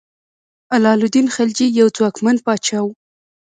علاء الدین خلجي یو ځواکمن پاچا و.